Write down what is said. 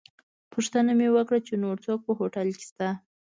پوښتنه مې وکړه چې نور څوک په هوټل کې شته.